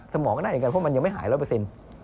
ได้เหมือนคุณหมอเพราะมันยังไม่หายรับเปอร์สิน